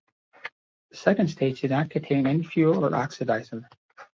The second stage did not contain any fuel or oxidizer.